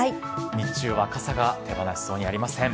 日中は傘が手放せそうにありません。